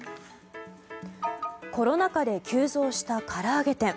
コロナ禍で急増したから揚げ店。